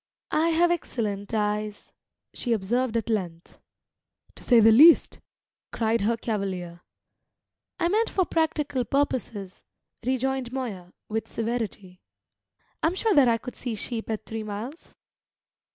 "I have excellent eyes," she observed at length. "To say the least!" cried her cavalier. "I meant for practical purposes," rejoined Moya, with severity. "I'm sure that I could see sheep at three miles."